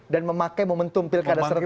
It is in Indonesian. dan memakai memen tumpil kada serentak